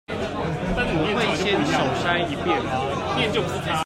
我會先手篩一遍